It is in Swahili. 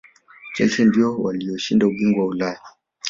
chelsea ndiyo waliyoshinda ubingwa wa ulaya